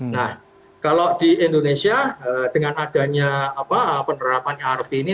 nah kalau di indonesia dengan adanya penerapan irp ini